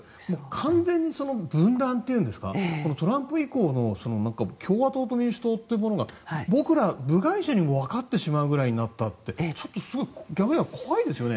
完全に分断というんですかトランプ以降の共和党と民主党というものが僕ら、部外者にもわかってしまうぐらいになったってちょっとすごい怖いですよね。